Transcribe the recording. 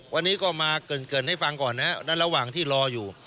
วันนี้ก็มาเกิดให้ฟังก่อนนะครับและระหว่างที่รออยู่